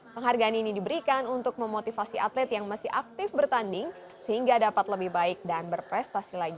penghargaan ini diberikan untuk memotivasi atlet yang masih aktif bertanding sehingga dapat lebih baik dan berprestasi lagi